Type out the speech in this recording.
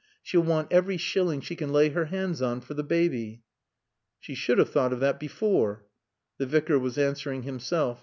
She'll want every shilling she can lay her hands on for the baby." "She should have thought of that before." The Vicar was answering himself.